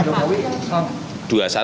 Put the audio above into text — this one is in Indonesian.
terima kasih pak